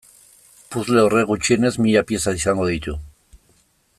Puzzle horrek gutxienez mila pieza izango ditu.